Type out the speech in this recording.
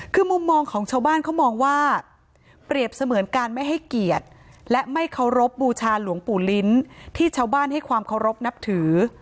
คือมุมมองของชาวบ้านเขามองว่าเปรียบเสมือนการไม่ให้เกียรติและไม่เคารพบูชาหลวงปู่ลิ้นที่ชาวบ้านให้ความเคารพนับถือ